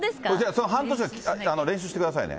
その半年間、練習してくださいね。